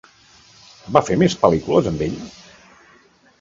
Va fer més pel·lícules amb ell?